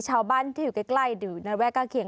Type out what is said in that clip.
ชาวบ้านที่อยู่ใกล้หรือระแวกใกล้เคียง